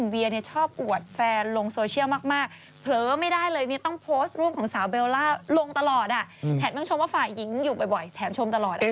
มาเชิญว่าฝ่ายิ้งอยู่บ่อยแทนชมตลอด